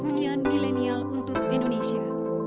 kunian milenial untuk indonesia